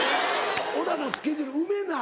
俺はもうスケジュール埋めな。